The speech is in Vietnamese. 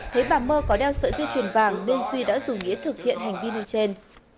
thấy bà mơ có đeo sợi dây chuyền vàng nên duy đã dùng nghĩa thực hiện hành vi nêu trên